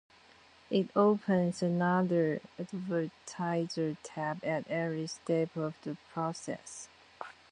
It opens another advertiser tab at every step of the process.